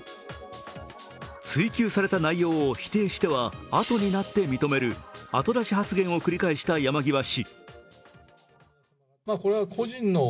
追及された内容を否定してはあとになって認める後出し発言を繰り返した山際氏。